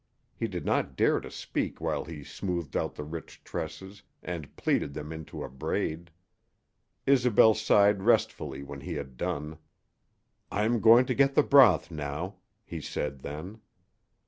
He did not dare to speak while he smoothed out the rich tresses and pleated them into a braid. Isobel sighed restfully when he had done. "I am going to get the broth now," he said then.